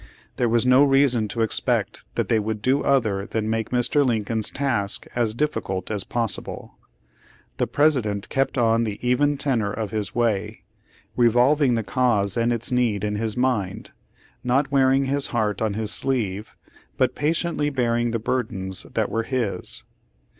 There was no reason to expect that they would do other than make Mr. Lincoln's task as difficult as pos sible. The President kept on the even tenor of his way, revolving the cause and its need in his mind, not The Liberator, August IS, 1SG2, p. 2. 10 Page Seventy four wearing his heart on his sleeve, but patiently bear ing the burdens that were his.